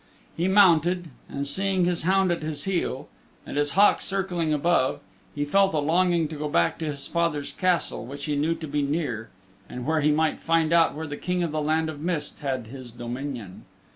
He mounted and seeing his hound at his heel and his hawk circling above he felt a longing to go back to his father's Castle which he knew to be near and where he might find out where the King of the Land of Mist had his dominion.